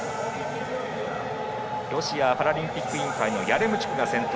ロシアパラリンピック委員会のヤレムチュクが先頭。